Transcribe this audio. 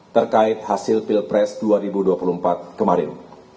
terkait hasil pilpres dua ribu dua puluh empat kemarin